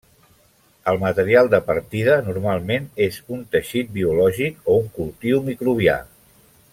El material de partida normalment és un teixit biològic o un cultiu microbià.